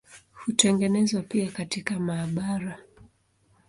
Hutengenezwa pia katika maabara.